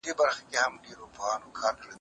په کورونو کي به د ژوند اسباب چمتو سي.